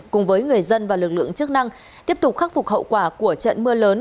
cùng với người dân và lực lượng chức năng tiếp tục khắc phục hậu quả của trận mưa lớn